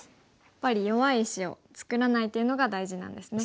やっぱり弱い石を作らないっていうのが大事なんですね。